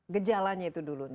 gejalanya itu dulu